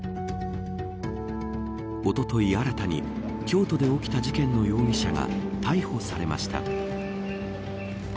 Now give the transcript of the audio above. おととい、新たに京都で起きた事件の容疑者が逮捕されました。